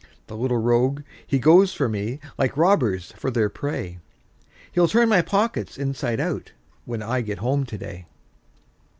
The little rogue! he goes for me, like robbers for their prey; He'll turn my pockets inside out, when I get home to day.